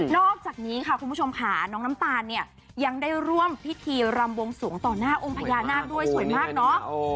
อกจากนี้ค่ะคุณผู้ชมค่ะน้องน้ำตาลเนี่ยยังได้ร่วมพิธีรำวงสวงต่อหน้าองค์พญานาคด้วยสวยมากเนาะ